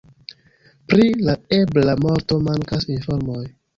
Pri la ebla morto mankas informoj.